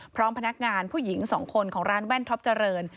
พร้อมพนักงานผู้หญิง๒คนของร้านแว่นท็อปเจริญ